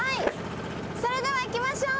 それではいきましょう。